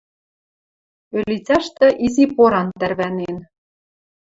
Ӧлицӓштӹ изи поран тӓрвӓнен.